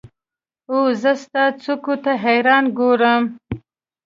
اوزه ستا څوکو ته حیران ګورم